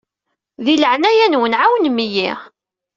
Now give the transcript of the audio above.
Di leɛnaya-nwen ɛawnem-iyi.